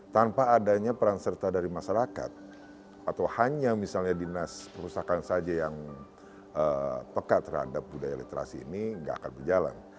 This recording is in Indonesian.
tanpa adanya peran serta dari masyarakat atau hanya misalnya dinas perpustakaan saja yang pekat terhadap budaya literasi ini nggak akan berjalan